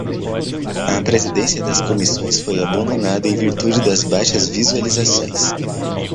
A presidência das comissões foi abandonada em virtude das baixas visualizações